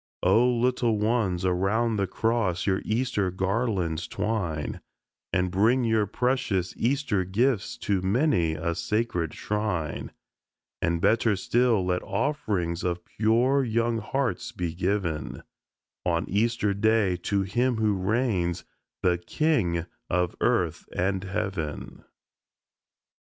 O little ones, around the cross your Easter garlands twine, And bring your precious Easter gifts to many a sacred shrine, And, better still, let offerings of pure young hearts be given On Easter Day to Him who reigns the King of earth and heaven.